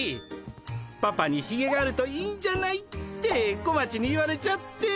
パパにひげがあるといいんじゃない？って小町に言われちゃって。